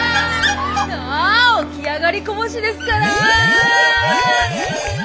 起き上がりこぼしですから。